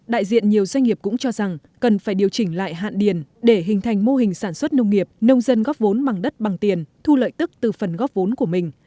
đại diện nhiều doanh nghiệp cũng cho rằng cần phải điều chỉnh lại hạn điền để hình thành mô hình sản xuất nông nghiệp nông dân góp vốn bằng đất bằng tiền thu lợi tức từ phần góp vốn của mình